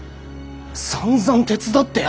さんざん手伝ってやったろ！